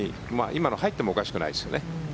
今の入ってもおかしくないですよね。